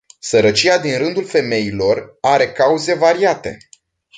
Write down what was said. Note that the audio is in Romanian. Sărăcia din rândul femeilor are cauze variate.